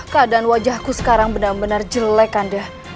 keadaan wajahku sekarang benar benar jelek anda